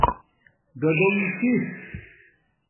ڈَڈَنک چِی